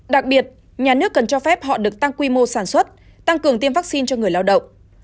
đặc biệt nhà nước cần cho phép họ được tăng quy mô sản xuất tăng cường tiêm vaccine cho người lao động